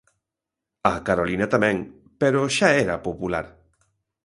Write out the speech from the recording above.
A Carolina tamén, pero xa era popular.